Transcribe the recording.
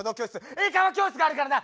英会話教室があるからな！